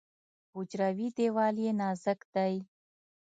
حجروي دیوال یې نازک دی.